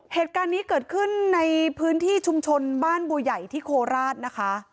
เหตุการณ์นี้เกิดขึ้นในพื้นที่ชุมชนบ้านบัวใหญ่ที่โคราชนะคะ